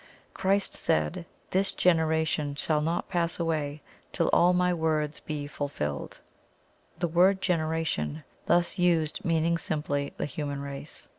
Christ said, "This generation shall not pass away till all My words be fulfilled," the word "generation" thus used meaning simply the human race.